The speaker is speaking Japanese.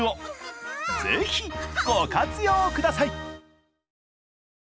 是非ご活用ください！